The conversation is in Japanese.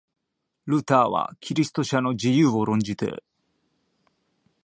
ルターはキリスト者の自由を論じて、